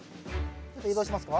ちょっと移動しますか。